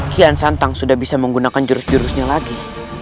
kian santang sudah bisa menggunakan jurus jurusnya lagi